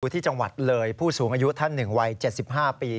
ที่จังหวัดเลยผู้สูงอายุท่านหนึ่งวัย๗๕ปี